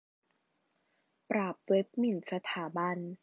ปราบเว็บหมิ่นสถาบัน